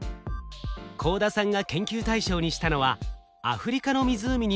幸田さんが研究対象にしたのはアフリカの湖にすむ魚です。